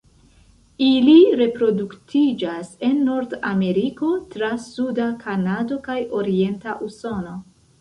Ili reproduktiĝas en Nordameriko, tra suda Kanado kaj orienta Usono.